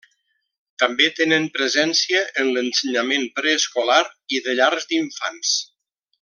També tenen presència en l'ensenyament preescolar i de llar d'infants.